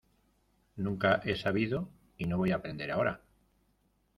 nunca he sabido y no voy a aprender ahora.